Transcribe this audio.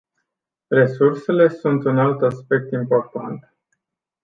Resursele sunt un alt aspect important.